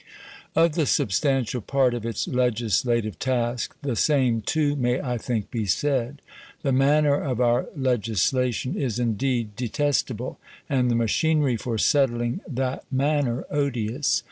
Of the substantial part of its legislative task, the same, too, may, I think, be said. The manner of our legislation is indeed detestable, and the machinery for settling that manner odious.